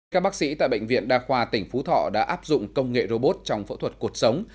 các bác sĩ tại bệnh viện đa khoa tỉnh phú thọ đã áp dụng công nghệ robot trong phẫu thuật cuộc sống